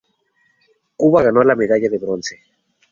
Cuba ganó la medalla de bronce.